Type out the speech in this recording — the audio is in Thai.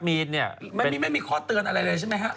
ไม่มีข้อเตือนอะไรเลยใช่ไหมฮะ